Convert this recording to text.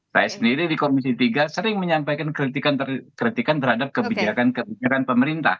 saya sendiri di komisi tiga sering menyampaikan kritikan terhadap kebijakan kebijakan pemerintah